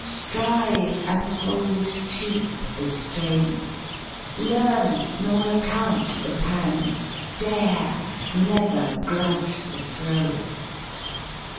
Strive and hold cheap the strain; Learn, nor account the pang ; dare, never grudge the throe!